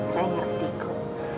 saya ngerti bu